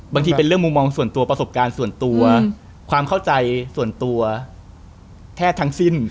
เป็นเรื่องมุมมองส่วนตัวประสบการณ์ส่วนตัวความเข้าใจส่วนตัวแพทย์ทั้งสิ้น